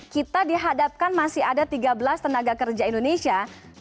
kita dihadapkan masih ada tiga belas tenaga kerja indonesia